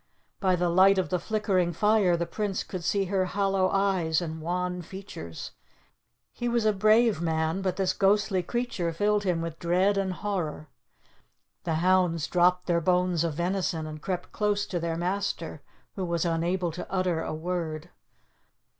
By the light of the flickering fire the Prince could see her hollow eyes and wan features. He was a brave man, but this ghostly creature filled him with dread and horror. The hounds dropped their bones of venison, and crept close to their master, who was unable to utter a word.